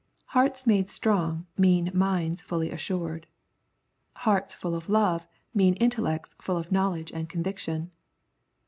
Hearts made strong mean minds fully assured. Hearts full of love mean intellects full of knov^ledge and conviction.